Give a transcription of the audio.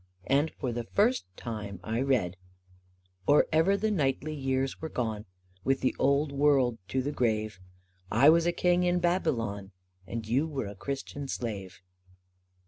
And for the first time I read, Or ever the knightly years were gone With the old world to the grave, I was a King in Babylon And you were a Christian Slave.